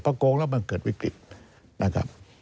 พอโกงแล้วมันเกิดวิกฤตนะครับ